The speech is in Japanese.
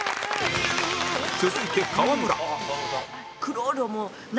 続いて川村